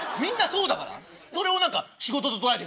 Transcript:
それを何か仕事と捉えてる。